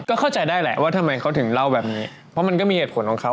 ก็เข้าใจได้แหละว่าทำไมเขาถึงเล่าแบบนี้เพราะมันก็มีเหตุผลของเขา